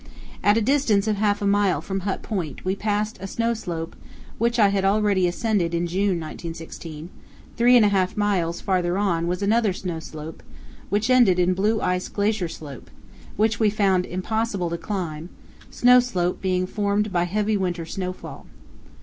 At a distance of half a mile from Hut Point we passed a snow slope which I had already ascended in June 1916; three and a half miles farther on was another snow slope, which ended in Blue Ice Glacier slope, which we found impossible to climb, snow slope being formed by heavy winter snowfall.